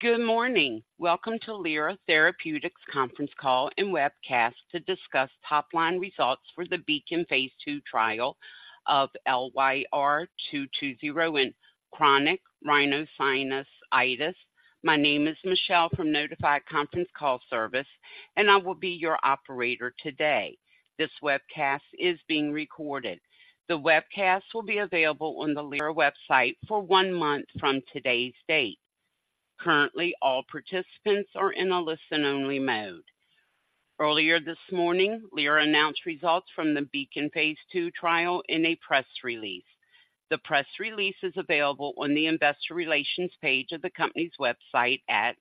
Good morning. Welcome to Lyra Therapeutics conference call and webcast to discuss top-line results for the BEACON Phase II trial of LYR-220 in chronic rhinosinusitis. My name is Michelle from Notified Conference Call Service, and I will be your operator today. This webcast is being recorded. The webcast will be available on the Lyra website for one month from today's date. Currently, all participants are in a listen-only mode. Earlier this morning, Lyra announced results from the BEACON Phase II trial in a press release. The press release is available on the Investor Relations page of the company's website at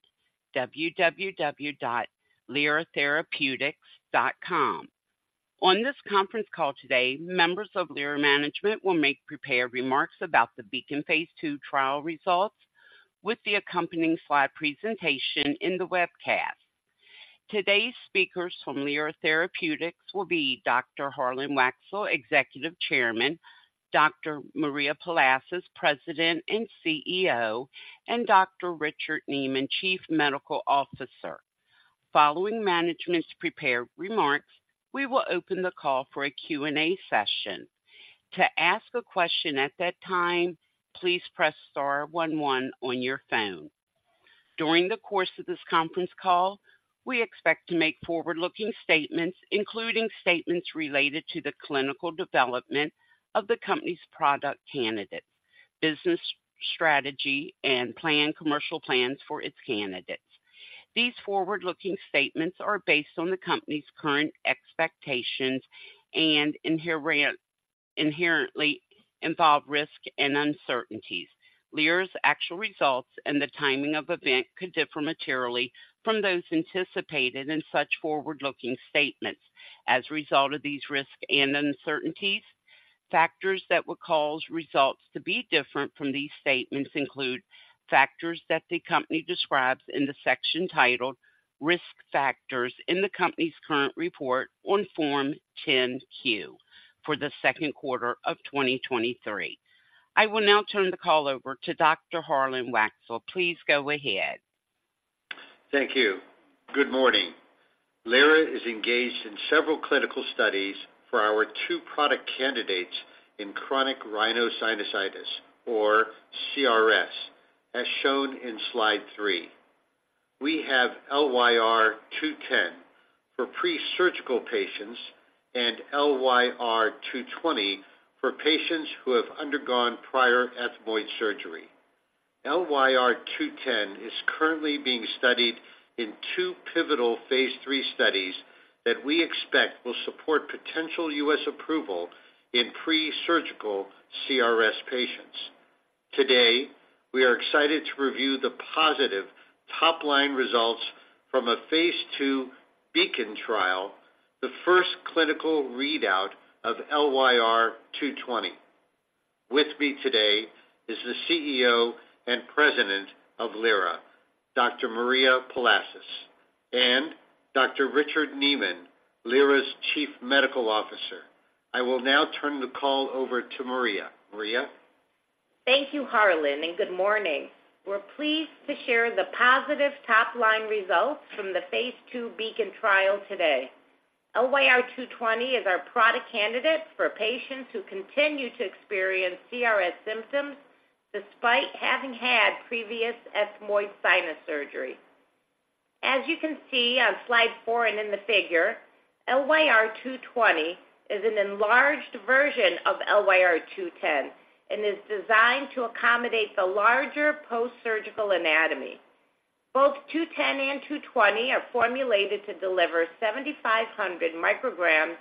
www.lyratherapeutics.com. On this conference call today, members of Lyra management will make prepared remarks about the BEACON Phase II trial results with the accompanying slide presentation in the webcast. Today's speakers from Lyra Therapeutics will be Dr. Harlan Waksal, Executive Chairman, Dr. Maria Palasis, President and CEO, and Dr. Richard Nieman, Chief Medical Officer. Following management's prepared remarks, we will open the call for a Q&A session. To ask a question at that time, please press star one one on your phone. During the course of this conference call, we expect to make forward-looking statements, including statements related to the clinical development of the company's product candidates, business strategy, and plan, commercial plans for its candidates. These forward-looking statements are based on the company's current expectations and inherent, inherently involve risk and uncertainties. Lyra's actual results and the timing of event could differ materially from those anticipated in such forward-looking statements. As a result of these risks and uncertainties, factors that would cause results to be different from these statements include factors that the company describes in the section titled Risk Factors in the company's current report on Form 10-Q for the second quarter of 2023. I will now turn the call over to Dr. Harlan Waksal. Please go ahead. Thank you. Good morning. Lyra is engaged in several clinical studies for our 2 product candidates in chronic rhinosinusitis, or CRS, as shown in slide 3. We have LYR-210 for pre-surgical patients and LYR-220 for patients who have undergone prior ethmoid surgery. LYR-210 is currently being studied in 2 pivotal phase 3 studies that we expect will support potential U.S. approval in pre-surgical CRS patients. Today, we are excited to review the positive top-line results from a phase II BEACON trial, the first clinical readout of LYR-220. With me today is the CEO and President of Lyra, Dr. Maria Palasis, and Dr. Richard Nieman, Lyra's Chief Medical Officer. I will now turn the call over to Maria. Maria? Thank you, Harlan, and good morning. We're pleased to share the positive top-line results from the phase II BEACON trial today. LYR-220 is our product candidate for patients who continue to experience CRS symptoms despite having had previous ethmoid sinus surgery. As you can see on slide 4 and in the figure, LYR-220 is an enlarged version of LYR-210 and is designed to accommodate the larger post-surgical anatomy. Both 210 and 220 are formulated to deliver 7,500 micrograms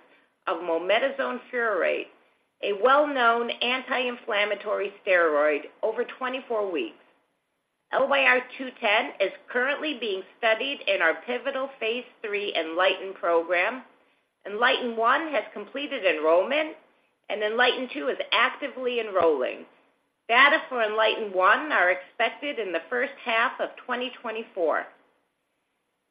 of mometasone furoate, a well-known anti-inflammatory steroid, over 24 weeks. LYR-210 is currently being studied in our pivotal phase 3 ENLIGHTEN program. ENLIGHTEN 1 has completed enrollment, and ENLIGHTEN 2 is actively enrolling. Data for ENLIGHTEN 1 are expected in the first half of 2024.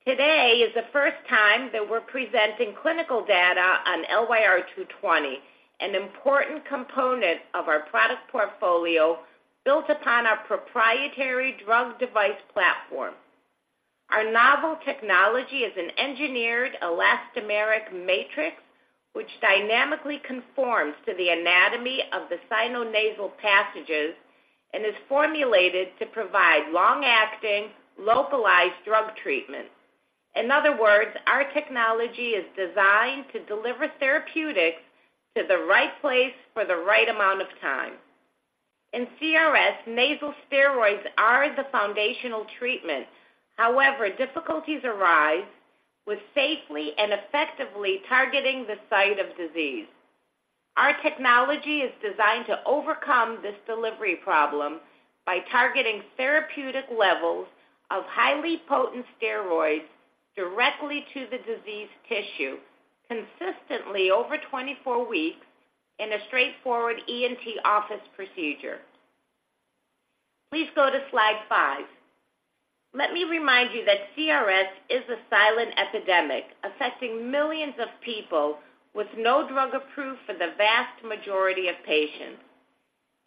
Today is the first time that we're presenting clinical data on LYR-220, an important component of our product portfolio, built upon our proprietary drug-device platform. Our novel technology is an engineered elastomeric matrix, which dynamically conforms to the anatomy of the sinonasal passages and is formulated to provide long-acting, localized drug treatment. In other words, our technology is designed to deliver therapeutics to the right place for the right amount of time. In CRS, nasal steroids are the foundational treatment. However, difficulties arise with safely and effectively targeting the site of disease. Our technology is designed to overcome this delivery problem by targeting therapeutic levels of highly potent steroids directly to the disease tissue, consistently over 24 weeks in a straightforward ENT office procedure. Please go to slide 5. Let me remind you that CRS is a silent epidemic affecting millions of people with no drug approved for the vast majority of patients.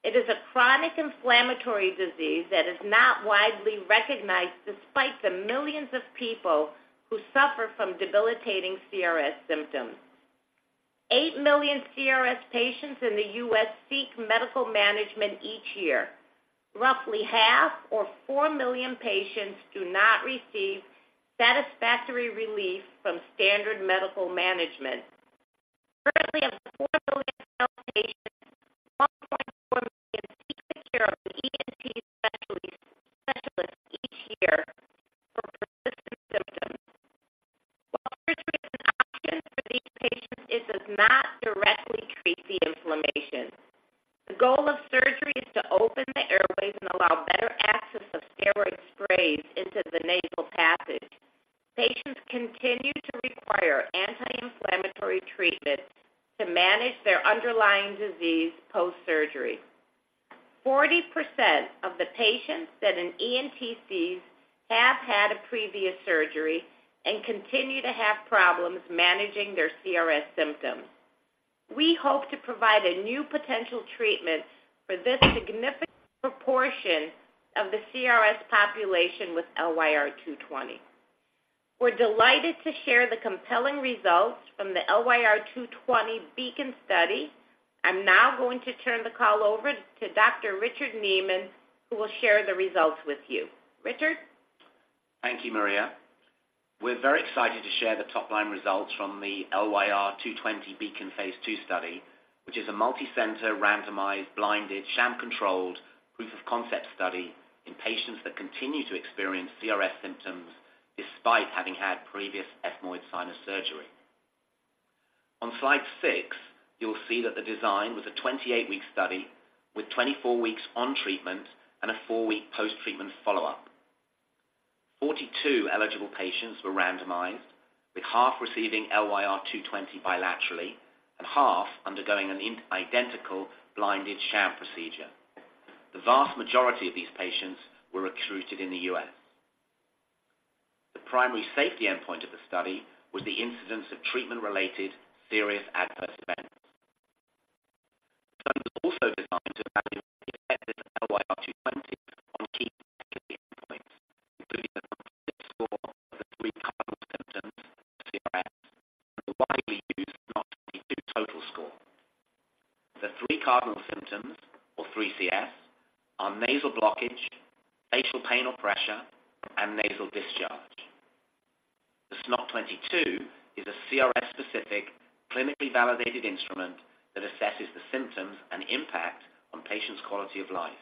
It is a chronic inflammatory disease that is not widely recognized despite the millions of people who suffer from debilitating CRS symptoms. 8 million CRS patients in the U.S. seek medical management each year. Roughly half, or 4 million patients, do not receive satisfactory relief from standard medical management. Currently, of the 4 million adult patients, 1.4 million seek the care of an ENT specialist each year for persistent symptoms. While surgery is an option for these patients, it does not directly treat the inflammation. The goal of surgery is to open the airways and allow better access of steroid sprays into the nasal passage. Patients continue to require anti-inflammatory treatment to manage their underlying disease post-surgery. 40% of the patients that an ENT sees have had a previous surgery and continue to have problems managing their CRS symptoms. We hope to provide a new potential treatment for this significant proportion of the CRS population with LYR-220. We're delighted to share the compelling results from the LYR-220 BEACON study. I'm now going to turn the call over to Dr. Richard Nieman, who will share the results with you. Richard? Thank you, Maria. We're very excited to share the top-line results from the LYR-220 BEACON Phase 2 study, which is a multicenter, randomized, blinded, sham-controlled proof of concept study in patients that continue to experience CRS symptoms despite having had previous ethmoid sinus surgery. On slide 6, you'll see that the design was a 28-week study, with 24 weeks on treatment and a 4-week post-treatment follow-up. 42 eligible patients were randomized, with half receiving LYR-220 bilaterally and half undergoing an identical blinded sham procedure. The vast majority of these patients were recruited in the U.S. The primary safety endpoint of the study was the incidence of treatment-related serious adverse events. The study was also designed to evaluate the effects of LYR-220 on key secondary endpoints, including the composite score of the three cardinal symptoms, CRS, and the widely used SNOT-22 total score. The three cardinal symptoms, or 3CS, are nasal blockage, facial pain or pressure, and nasal discharge. The SNOT-22 is a CRS-specific, clinically validated instrument that assesses the symptoms and impact on patients' quality of life.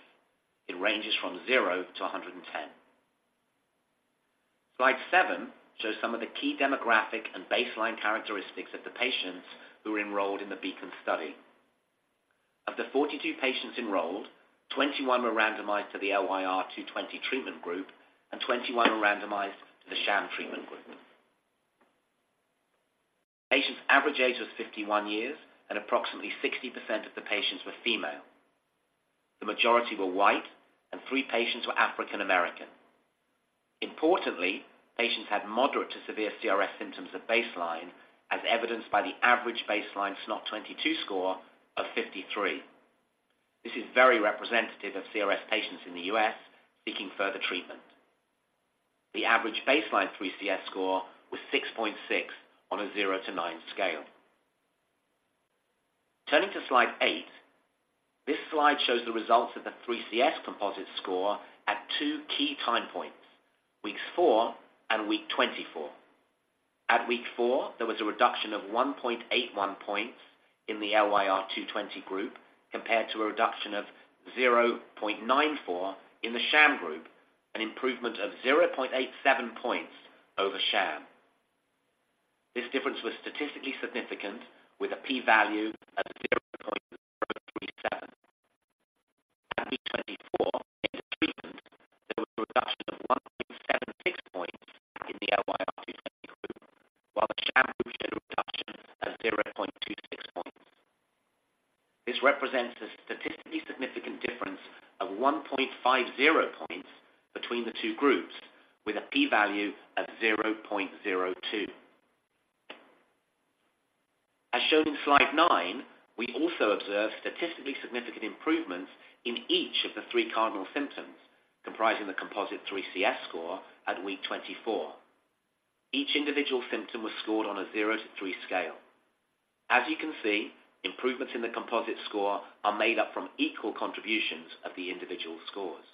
It ranges from 0 to 110. Slide 7 shows some of the key demographic and baseline characteristics of the patients who were enrolled in the BEACON study. Of the 42 patients enrolled, 21 were randomized to the LYR-220 treatment group, and 21 were randomized to the sham treatment group. Patients' average age was 51 years, and approximately 60% of the patients were female. The majority were White, and 3 patients were African American. Importantly, patients had moderate to severe CRS symptoms at baseline, as evidenced by the average baseline SNOT-22 score of 53. This is very representative of CRS patients in the U.S. seeking further treatment. The average baseline 3CS score was 6.6 on a 0-9 scale. Turning to slide 8, this slide shows the results of the 3CS composite score at two key time points, weeks 4 and week 24. At week 4, there was a reduction of 1.81 points in the LYR-220 group, compared to a reduction of 0.94 in the sham group, an improvement of 0.87 points over sham. This difference was statistically significant, with a P value of 0.37. At week 24, in the treatment, there was a reduction of 1.76 points in the LYR-220 group, while the sham group showed a reduction of 0.26 points. This represents a statistically significant difference of 1.50 points between the two groups, with a P value of 0.02. As shown in slide 9, we also observed statistically significant improvements in each of the 3 cardinal symptoms, comprising the composite 3CS score at week 24. Each individual symptom was scored on a 0 to 3 scale. As you can see, improvements in the composite score are made up from equal contributions of the individual scores.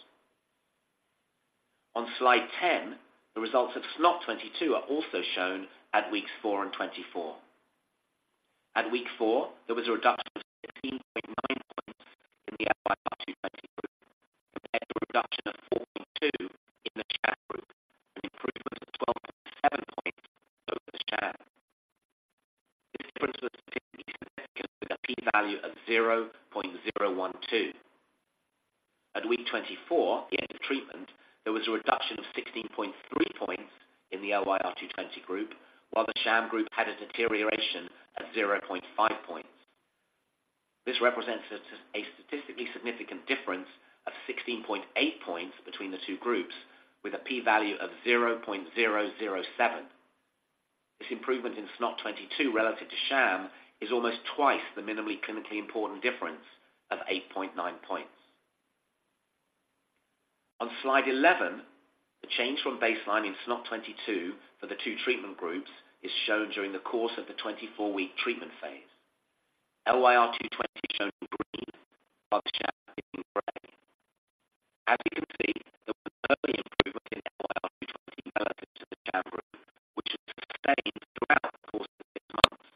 On slide 10, the results of SNOT-22 are also shown at weeks 4 and 24. At week 4, there was a reduction of 16.9 points in the LYR-220 group, compared to a reduction of 4.2 in the sham group, an improvement of 12.7 points over the sham. This difference was statistically significant, with a P value of 0.012. At week 24, the end of treatment, there was a reduction of 16.3 points in the LYR-220 group, while the sham group had a deterioration of 0.5 points. This represents a statistically significant difference of 16.8 points between the two groups, with a P value of 0.007.... This improvement in SNOT-22 relative to sham is almost twice the minimally clinically important difference of 8.9 points. On slide 11, the change from baseline in SNOT-22 for the two treatment groups is shown during the course of the 24-week treatment phase. LYR-220 shown in green, while the sham in gray. As you can see, there was early improvement in LYR-220 relative to the sham group, which is sustained throughout the course of 6 months.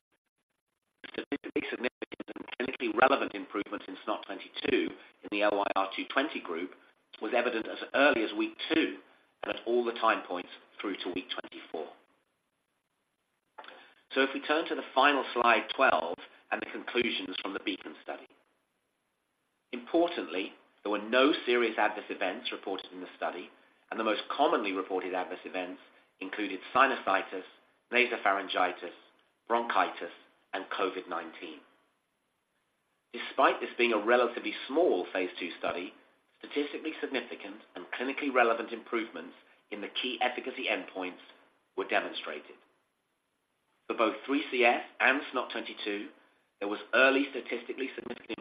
Statistically significant and clinically relevant improvements in SNOT-22 in the LYR-220 group was evident as early as week 2 and at all the time points through to week 24. So if we turn to the final slide 12 and the conclusions from the BEACON study. Importantly, there were no serious adverse events reported in the study, and the most commonly reported adverse events included sinusitis, nasopharyngitis, bronchitis, and COVID-19. Despite this being a relatively small phase 2 study, statistically significant and clinically relevant improvements in the key efficacy endpoints were demonstrated. For both 3CS and SNOT-22, there was early statistically significant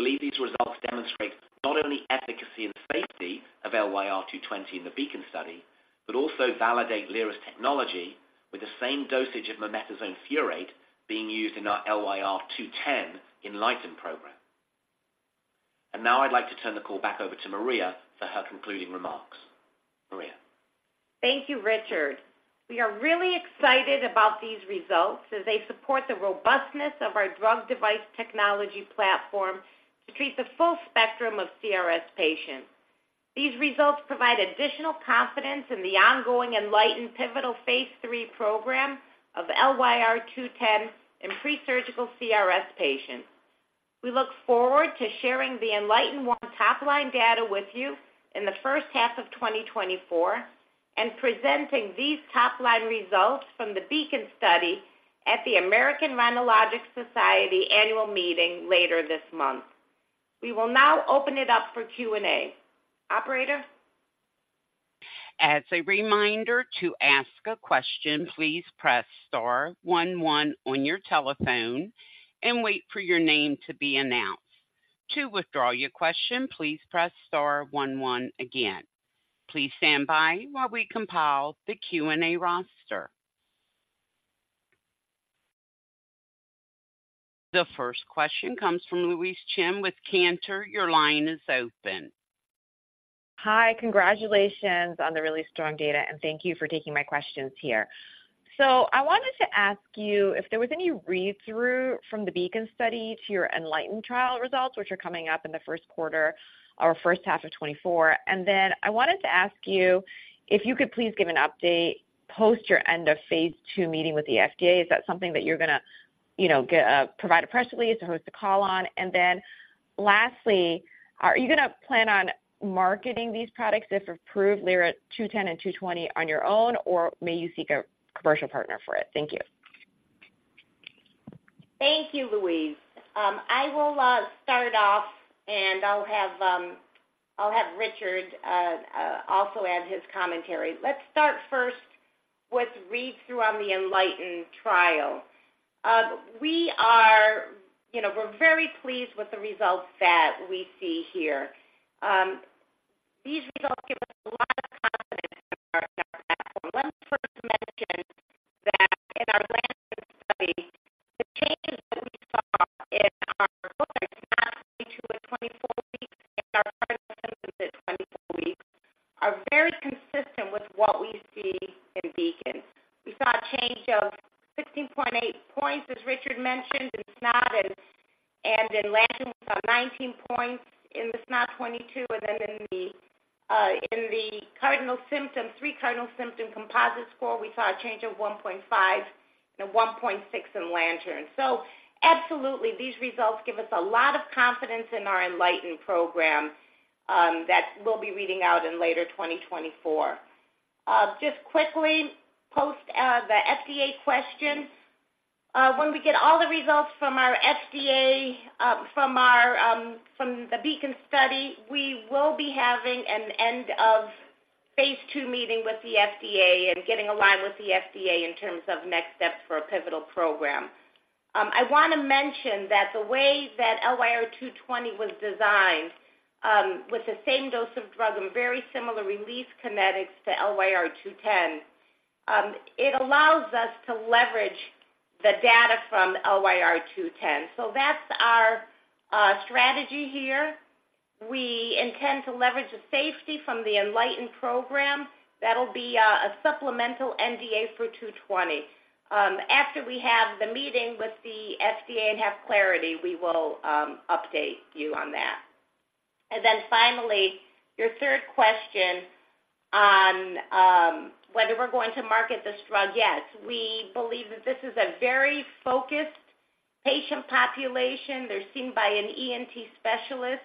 improvements, which was sustained out of the 24-week end of treatment time point. At 24 weeks, there was a 1.5 statistically improvement in 3CS and a statistically significant improvement in SNOT-22 relative to sham. Taken together, we are really thrilled to demonstrate this early and durable efficacy in this proof of concept study. We believe these results demonstrate not only efficacy and safety of LYR-220 in the BEACON study, but also validate Lyra's technology with the same dosage of mometasone furoate being used in our LYR-210 ENLIGHTEN program. And now I'd like to turn the call back over to Maria for her concluding remarks. Maria? Thank you, Richard. We are really excited about these results as they support the robustness of our drug device technology platform to treat the full spectrum of CRS patients. These results provide additional confidence in the ongoing ENLIGHTEN pivotal Phase 3 program of LYR-210 in presurgical CRS patients. We look forward to sharing the ENLIGHTEN 1 top-line data with you in the first half of 2024 and presenting these top-line results from the BEACON study at the American Rhinologic Society annual meeting later this month. We will now open it up for Q&A. Operator? As a reminder, to ask a question, please press star one one on your telephone and wait for your name to be announced. To withdraw your question, please press star one one again. Please stand by while we compile the Q&A roster. The first question comes from Louise Chen with Cantor. Your line is open. Hi, congratulations on the really strong data, and thank you for taking my questions here. So I wanted to ask you if there was any read-through from the BEACON study to your ENLIGHTEN trial results, which are coming up in the first quarter or first half of 2024. And then I wanted to ask you if you could please give an update, post your end of phase two meeting with the FDA. Is that something that you're gonna, you know, get, provide a press release or host a call on? And then lastly, are you gonna plan on marketing these products if approved, LYR-210 and LYR-220, on your own, or may you seek a commercial partner for it? Thank you. Thank you, Louise. I will start off, and I'll have Richard also add his commentary. Let's start first with read-through on the ENLIGHTEN trial. We are, you know, we're very pleased with the results that we see here. These results give us a lot of confidence in our platform. Let me first mention that in our LANTERN study, the changes that we saw in our both SNOT-22 at 24 weeks and our cardinal symptoms at 24 weeks are very consistent with what we see in BEACON. We saw a change of 16.8 points, as Richard mentioned, in SNOT-22 and in LANTERN, we saw 19 points in the SNOT-22, and then in the cardinal symptom, three cardinal symptom composite score, we saw a change of 1.5 and a 1.6 in LANTERN. So absolutely, these results give us a lot of confidence in our ENLIGHTEN program, that we'll be reading out in later 2024. Just quickly, post the FDA question. When we get all the results from the BEACON study, we will be having an End of Phase 2 meeting with the FDA and getting aligned with the FDA in terms of next steps for a pivotal program. I wanna mention that the way that LYR-220 was designed, with the same dose of drug and very similar release kinetics to LYR-210, it allows us to leverage the data from LYR-210. So that's our strategy here. We intend to leverage the safety from the ENLIGHTEN program. That'll be a supplemental NDA for LYR-220. After we have the meeting with the FDA and have clarity, we will update you on that. And then finally, your third question on whether we're going to market this drug. Yes, we believe that this is a very focused patient population. They're seen by an ENT specialist.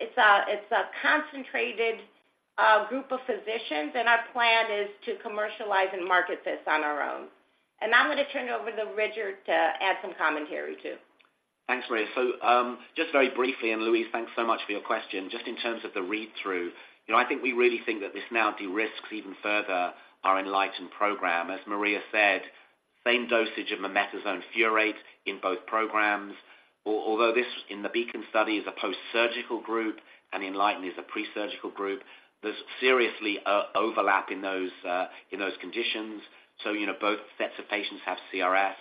It's a concentrated group of physicians, and our plan is to commercialize and market this on our own. And I'm gonna turn it over to Richard to add some commentary, too. Thanks, Maria. So, just very briefly, and Louise, thanks so much for your question. Just in terms of the read-through, you know, I think we really think that this now de-risks even further our ENLIGHTEN program. As Maria said, same dosage of mometasone furoate in both programs. Although this, in the BEACON study, is a post-surgical group, and ENLIGHTEN is a pre-surgical group, there's serious overlap in those conditions. So you know, both sets of patients have CRS.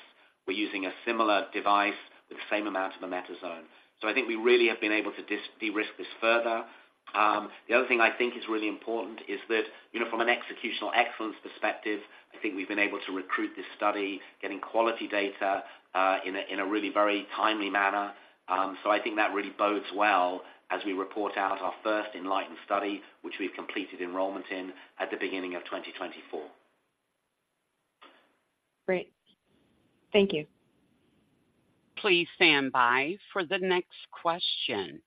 We're using a similar device with the same amount of mometasone. So I think we really have been able to de-risk this further. The other thing I think is really important is that, you know, from an executional excellence perspective, I think we've been able to recruit this study, getting quality data, in a really very timely manner. I think that really bodes well as we report out our first ENLIGHTEN study, which we've completed enrollment in at the beginning of 2024. Great. Thank you. Please stand by for the next question.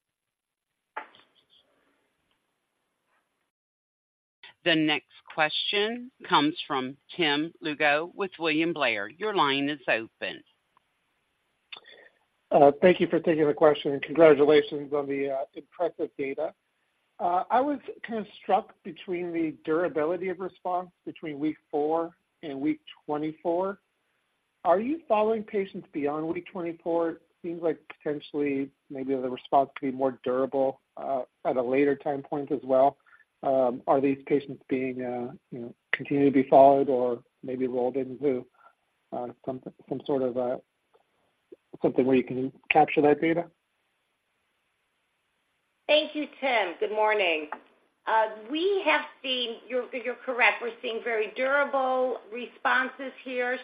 The next question comes from Tim Lugo with William Blair. Your line is open. Thank you for taking the question, and congratulations on the impressive data. I was kind of struck between the durability of response between week 4 and week 24. Are you following patients beyond week 24? It seems like potentially maybe the response could be more durable at a later time point as well. Are these patients being, you know, continuing to be followed or maybe rolled into some sort of a something where you can capture that data? Thank you, Tim. Good morning. We have seen... You're, you're correct. We're seeing very durable responses here,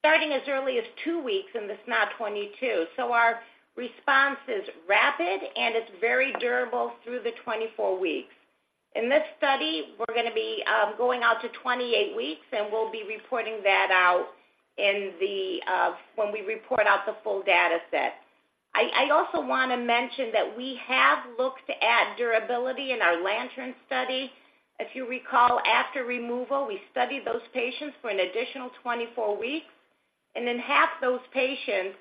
starting as early as 2 weeks in this SNOT-22. So our response is rapid, and it's very durable through the 24 weeks. In this study, we're gonna be going out to 28 weeks, and we'll be reporting that out in the when we report out the full data set. I also wanna mention that we have looked at durability in our LANTERN study. If you recall, after removal, we studied those patients for an additional 24 weeks, and in half those patients,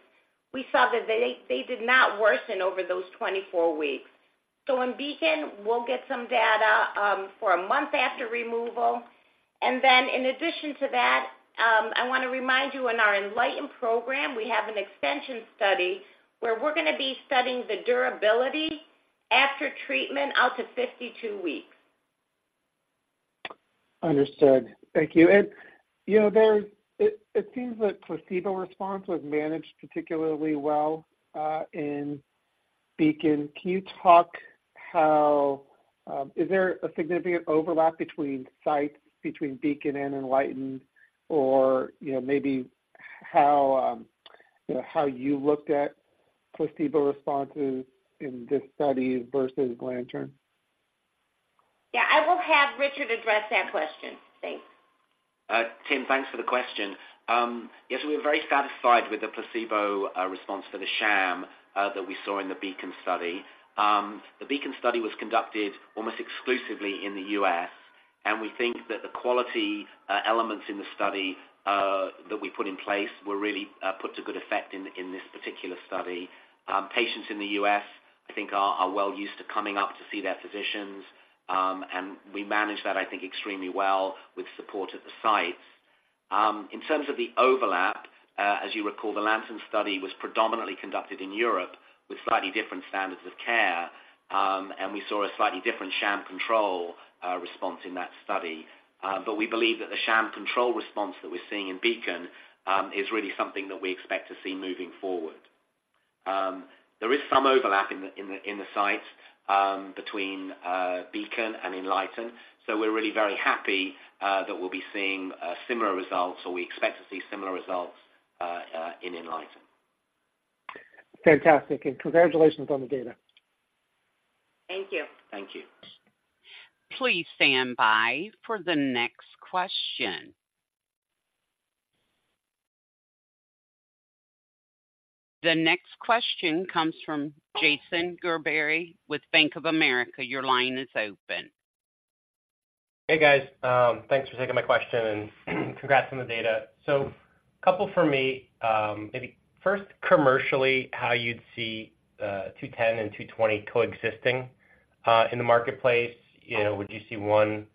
we saw that they did not worsen over those 24 weeks. So in BEACON, we'll get some data for a month after removal. Then in addition to that, I wanna remind you, in our ENLIGHTEN program, we have an extension study where we're gonna be studying the durability after treatment out to 52 weeks. Understood. Thank you. You know, it seems like placebo response was managed particularly well in BEACON. Can you talk how is there a significant overlap between sites, between BEACON and ENLIGHTEN, or, you know, maybe how you know how you looked at placebo responses in this study versus LANTERN? Yeah, I will have Richard address that question. Thanks. Tim, thanks for the question. Yes, we're very satisfied with the placebo response for the sham that we saw in the BEACON study. The BEACON study was conducted almost exclusively in the U.S., and we think that the quality elements in the study that we put in place were really put to good effect in this particular study. Patients in the U.S., I think, are well used to coming up to see their physicians, and we managed that, I think, extremely well with support at the sites. In terms of the overlap, as you recall, the LANTERN study was predominantly conducted in Europe with slightly different standards of care, and we saw a slightly different sham control response in that study. But we believe that the sham control response that we're seeing in BEACON is really something that we expect to see moving forward. There is some overlap in the sites between BEACON and ENLIGHTEN, so we're really very happy that we'll be seeing similar results, or we expect to see similar results in ENLIGHTEN. Fantastic, and congratulations on the data. Thank you. Thank you. Please stand by for the next question. The next question comes from Jason Gerberry with Bank of America. Your line is open. Hey, guys. Thanks for taking my question, and congrats on the data. So couple for me, maybe first, commercially, how you'd see LYR-210 and LYR-220 coexisting in the marketplace. You know, would you see one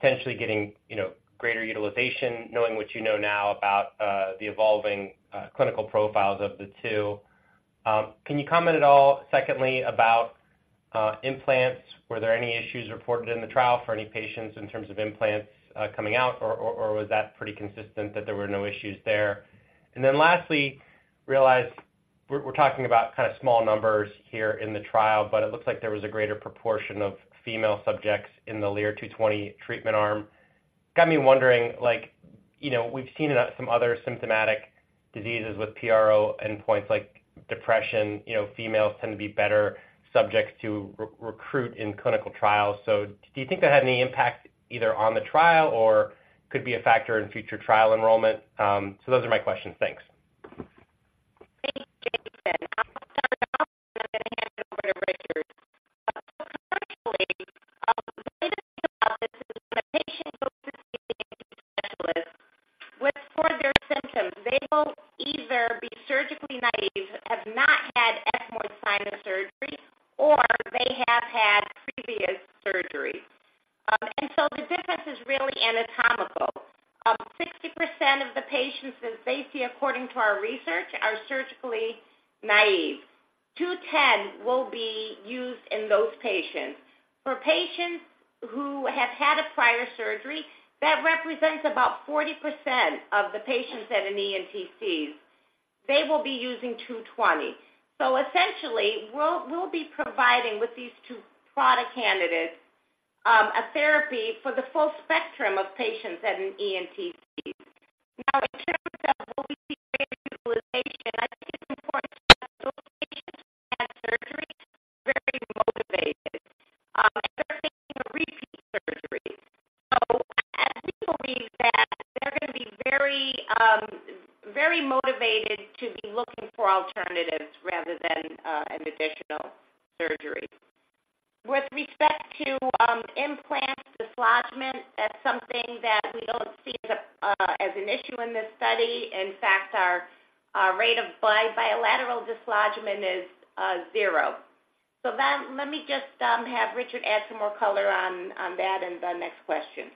potentially getting, you know, greater utilization, knowing what you know now about the evolving clinical profiles of the two? Can you comment at all, secondly, about implants? Were there any issues reported in the trial for any patients in terms of implants coming out, or was that pretty consistent that there were no issues there? And then lastly, realize we're talking about kind of small numbers here in the trial, but it looks like there was a greater proportion of female subjects in the LYR-220 treatment arm. Got me wondering, like... You know, we've seen in some other symptomatic diseases with PRO endpoints like depression, you know, females tend to be better subjects to re-recruit in clinical trials. So do you think that had any impact either on the trial or could be a factor in future trial enrollment? So those are my questions. Thanks. Thanks, Jason. I'm going to hand it over to Richard. Commercially, this is when a patient goes to see a specialist for their symptoms. They will either be surgically naïve, have not had ethmoid sinus surgery, or they have had previous surgery. And so the difference is really anatomical. 60% of the patients that they see, according to our research, are surgically naïve. LYR-210 will be used in those patients. For patients who have had a prior surgery, that represents about 40% of the patients at an ENTC. They will be using LYR-220. So essentially, we'll be providing with these two product candidates a therapy for the full spectrum of patients at an ENTC. Now, in terms of what we see great utilization, I think it's important to note that those patients who had surgery are very motivated, and they're making a repeat surgery. So as people being that, they're going to be very, very motivated to be looking for alternatives rather than an additional surgery. With respect to implant dislodgement, that's something that we don't see as an issue in this study. In fact, our rate of bilateral dislodgement is zero. So then let me just have Richard add some more color on that and the next question.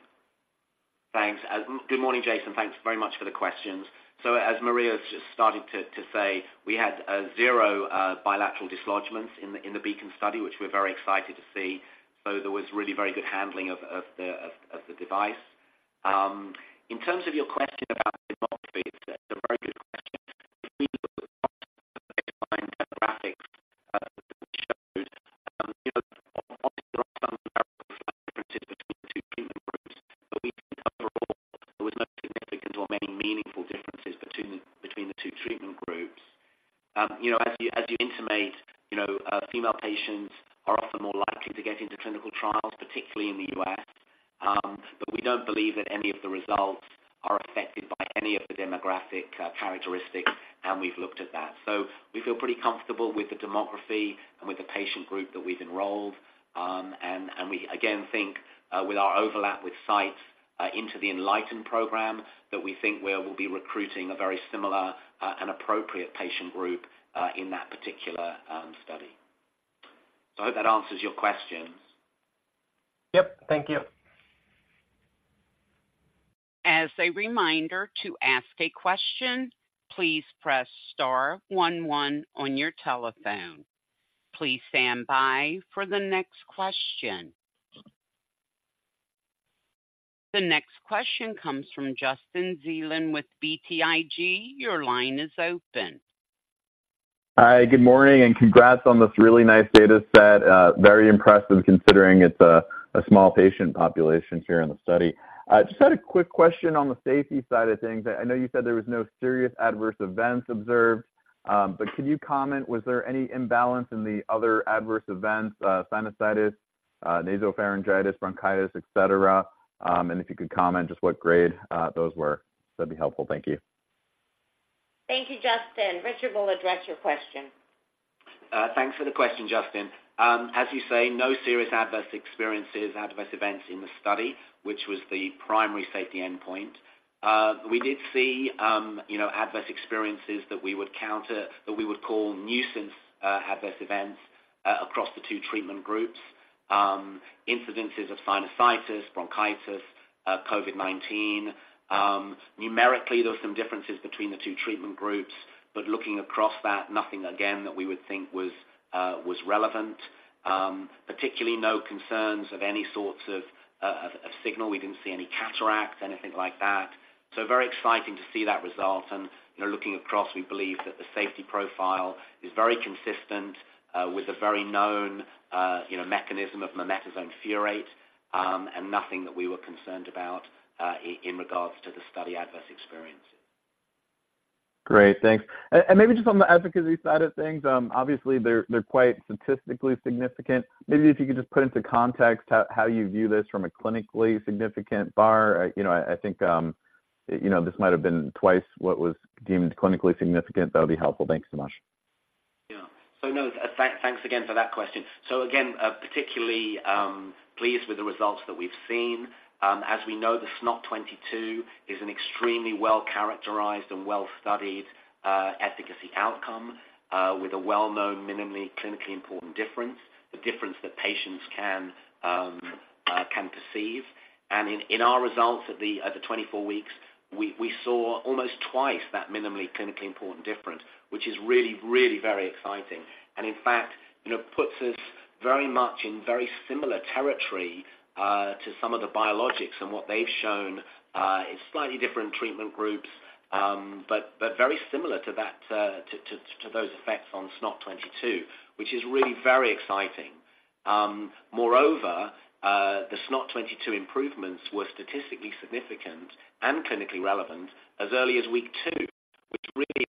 Thanks. Good morning, Jason. Thanks very much for the questions. So as Maria has just started to say, we had 0 bilateral dislodgements in the BEACON study, which we're very excited to see. So there was really very good handling of the device. In terms of your question about demographics, it's a very good question. We look at the graphics, which shows you know, differences between the two treatment groups. But we think overall, there was no significant or many meaningful differences between the two treatment groups. You know, as you intimate, you know, female patients are often more likely to get into clinical trials, particularly in the U.S. But we don't believe that any of the results are affected by any of the demographic characteristics, and we've looked at that. So we feel pretty comfortable with the demography and with the patient group that we've enrolled. And we again think, with our overlap with sites into the ENLIGHTEN program, that we'll be recruiting a very similar and appropriate patient group in that particular study. So I hope that answers your questions. Yep. Thank you. As a reminder, to ask a question, please press Star one one on your telephone. Please stand by for the next question. The next question comes from Justin Zelin with BTIG. Your line is open. Hi, good morning, and congrats on this really nice data set. Very impressive, considering it's a small patient population here in the study. I just had a quick question on the safety side of things. I know you said there was no serious adverse events observed, but could you comment? Was there any imbalance in the other adverse events, sinusitis, nasopharyngitis, bronchitis, et cetera? And if you could comment just what grade those were, that'd be helpful. Thank you. Thank you, Justin. Richard will address your question. Thanks for the question, Justin. As you say, no serious adverse experiences, adverse events in the study, which was the primary safety endpoint. We did see, you know, adverse experiences that we would counter, that we would call nuisance, adverse events, across the two treatment groups. Incidences of sinusitis, bronchitis, COVID-19. Numerically, there were some differences between the two treatment groups, but looking across that, nothing again, that we would think was, was relevant. Particularly no concerns of any sorts of, of, of signal. We didn't see any cataracts, anything like that. So very exciting to see that result. You know, looking across, we believe that the safety profile is very consistent with a very known, you know, mechanism of mometasone furoate, and nothing that we were concerned about in regards to the study adverse experience. Great, thanks. And maybe just on the efficacy side of things, obviously they're quite statistically significant. Maybe if you could just put into context how you view this from a clinically significant bar. You know, I think, you know, this might have been twice what was deemed clinically significant. That would be helpful. Thanks so much. Yeah. So, no, thanks again for that question. So again, particularly pleased with the results that we've seen. As we know, the SNOT-22 is an extremely well-characterized and well-studied efficacy outcome with a well-known, minimally clinically important difference, the difference that patients can perceive. And in our results at the 24 weeks, we saw almost twice that minimally clinically important difference, which is really, really very exciting. And in fact, you know, puts us very much in very similar territory to some of the biologics and what they've shown in slightly different treatment groups, but very similar to that, to those effects on SNOT-22, which is really very exciting.... Moreover, the SNOT-22 improvements were statistically significant and clinically relevant as early as week two, which really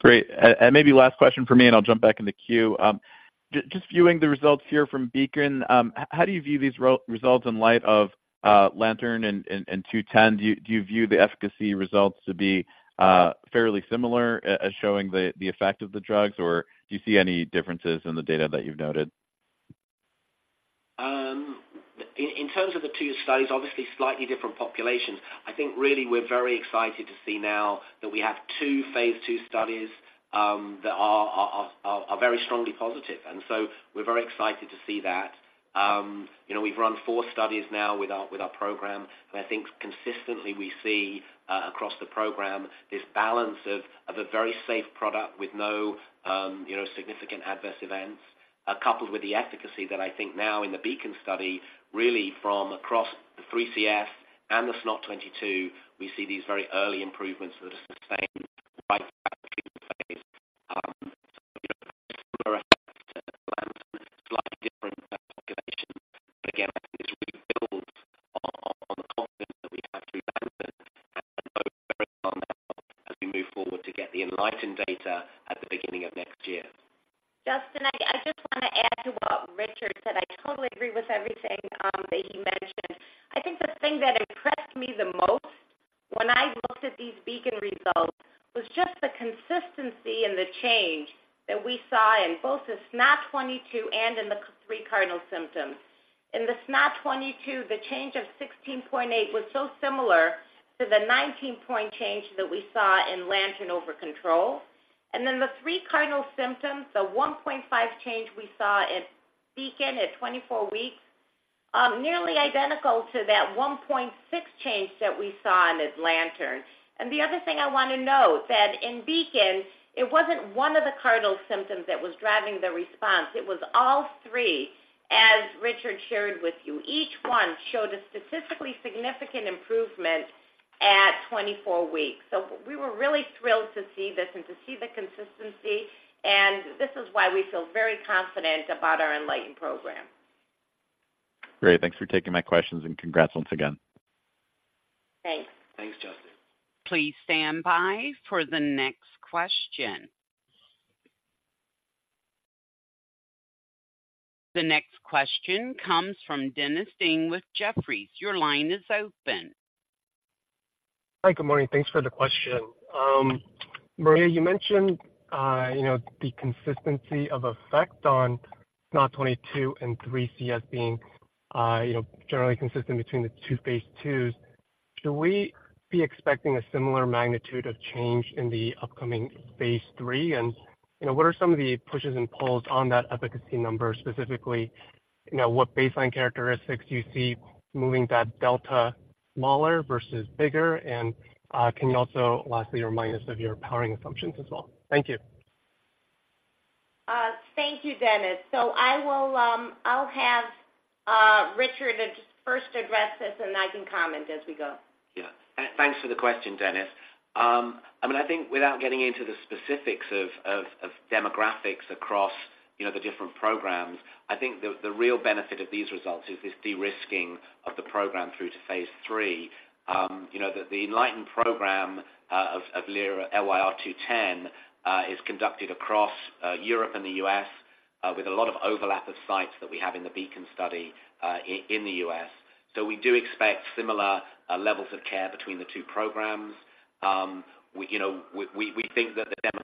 Great. And maybe last question for me, and I'll jump back in the queue. Just, just viewing the results here from BEACON, how do you view these results in light of LANTERN and, and, 210? Do you, do you view the efficacy results to be fairly similar as, as showing the, the effect of the drugs, or do you see any differences in the data that you've noted? In terms of the two studies, obviously slightly different populations. I think really we're very excited to see now that we have two phase 2 studies that are very strongly positive, and so we're very excited to see that. You know, we've run four studies now with our program, and I think consistently we see across the program this balance of a very safe product with no, you know, significant adverse events coupled with the efficacy that I think now in the BEACON study, really from across the 3CS and the SNOT-22, we see these very early improvements that are sustained right through the treatment phase. You know, similar to LANTERN, slightly different population. But again, I think this really builds on the confidence that we have to abandon and move very far now as we move forward to get the ENLIGHTEN data at the beginning of next year. Justin, I, I just want to add to what Richard said. I totally agree with everything that he mentioned. I think the thing that impressed me the most when I looked at these BEACON results was just the consistency in the change that we saw in both the SNOT-22 and in the three cardinal symptoms. In the SNOT-22, the change of 16.8 was so similar to the 19-point change that we saw in LANTERN over control. And then the three cardinal symptoms, the 1.5 change we saw in BEACON at 24 weeks nearly identical to that 1.6 change that we saw in this LANTERN. And the other thing I want to note that in BEACON, it wasn't one of the cardinal symptoms that was driving the response, it was all three, as Richard shared with you. Each one showed a statistically significant improvement at 24 weeks. So we were really thrilled to see this and to see the consistency, and this is why we feel very confident about our ENLIGHTEN program. Great. Thanks for taking my questions, and congrats once again. Thanks. Thanks, Justin. Please stand by for the next question. The next question comes from Dennis Ding with Jefferies. Your line is open. Hi, good morning. Thanks for the question. Maria, you mentioned, you know, the consistency of effect on SNOT-22 and 3CS being, you know, generally consistent between the two Phase 2s. Should we be expecting a similar magnitude of change in the upcoming phase 3? And, you know, what are some of the pushes and pulls on that efficacy number? Specifically, you know, what baseline characteristics do you see moving that delta smaller versus bigger? And, can you also, lastly, remind us of your powering assumptions as well? Thank you. Thank you, Dennis. So I will, I'll have Richard first address this, and I can comment as we go. Yeah. Thanks for the question, Dennis. I mean, I think without getting into the specifics of demographics across, you know, the different programs, I think the real benefit of these results is this de-risking of the program through to phase three. You know, that the ENLIGHTEN program of LYR-210 is conducted across Europe and the U.S., with a lot of overlap of sites that we have in the BEACON study in the U.S. So we do expect similar levels of care between the two programs. We, you know, we think that the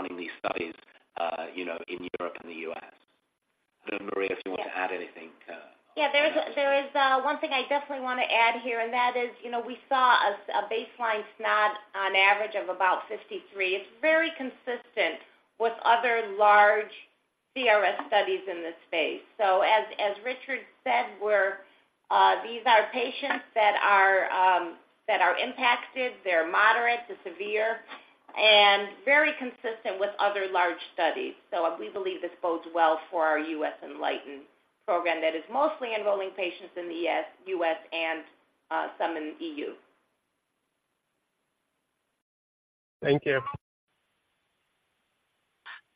demographics that we recruited in BEACON really represents the entire population, and the expectation that the demographics in my program will similarly represent the population that will take us to benefit. You know, we obviously will have to wait for the results of the ENLIGHTEN program, but we certainly think that now this validates our treatment paradigm and the executional excellence of running these studies, you know, in Europe and the U.S. I don't know, Maria, if you want to add anything to- Yeah, there is one thing I definitely want to add here, and that is, you know, we saw a baseline SNOT on average of about 53. It's very consistent with other large CRS studies in this space. So as Richard said, these are patients that are impacted, they're moderate to severe, and very consistent with other large studies. So we believe this bodes well for our U.S. ENLIGHTEN program that is mostly enrolling patients in the U.S. and some in the EU. Thank you.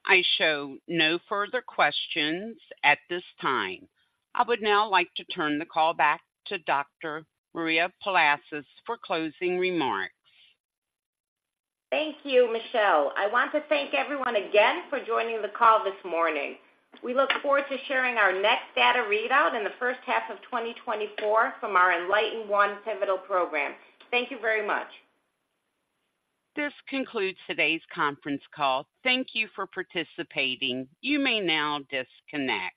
I show no further questions at this time. I would now like to turn the call back to Dr. Maria Palasis for closing remarks. Thank you, Michelle. I want to thank everyone again for joining the call this morning. We look forward to sharing our next data readout in the first half of 2024 from our ENLIGHTEN-1 pivotal program. Thank you very much. This concludes today's conference call. Thank you for participating. You may now disconnect.